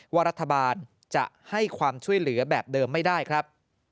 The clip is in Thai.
ว่ารัฐบาลจะให้ความช่วยเหลือแบบเดิมไม่ได้ครับ